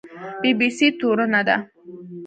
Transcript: بي بي سي تورنه ده